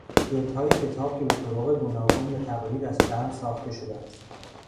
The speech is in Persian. جلدهای کتاب کهبه طرق گوناگون به تقلید از چرم ساخته شده است